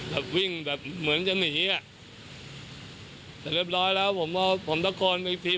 แบบวิ่งแบบเหมือนจะหนีอ่ะแต่เรียบร้อยแล้วผมพอผมตะโกนไปอีกที